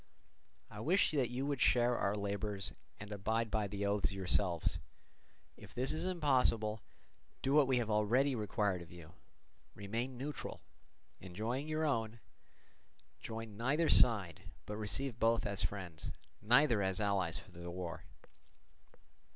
I could wish that you would share our labours and abide by the oaths yourselves; if this is impossible, do what we have already required of you—remain neutral, enjoying your own; join neither side, but receive both as friends, neither as allies for the war.